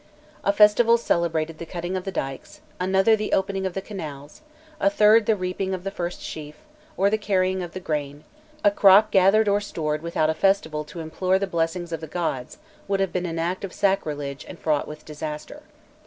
A festival celebrated the cutting of the dykes, another the opening of the canals, a third the reaping of the first sheaf, or the carrying of the grain; a crop gathered or stored without a festival to implore the blessing of the gods, would have been an act of sacrilege and fraught with disaster.